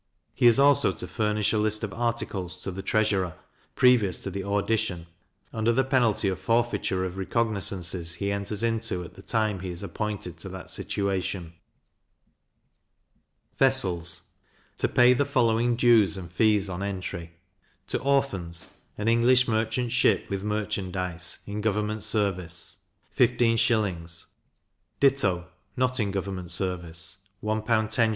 He is also to furnish a list of articles to the treasurer, previous to the auction, under the penalty of forfeiture of recognizances he enters into at the time he is appointed to that situation. Vessels to pay the following dues and fees on entry: To Orphans, an English merchant ship with merchandize, in government service, 15s.; ditto, not in government service, 1L. 10s.